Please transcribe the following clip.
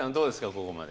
ここまで。